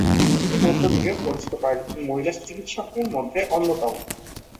তিনি মধ্যযুগে পরিচিত কয়েকজন মহিলা চিকিৎসকের মধ্যে অন্যতম।